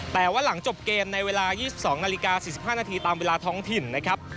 แต่ว่าหลังจบเกมในเวลา๒๒นาฬิกา๔๕นาทีตามเวลาท้องถิ่นนะครับ